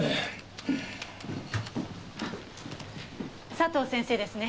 佐藤先生ですね。